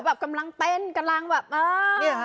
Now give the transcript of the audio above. แบบกำลังเต้นแบบเออ